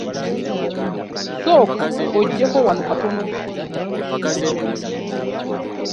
Sooka ojjeko wano katono.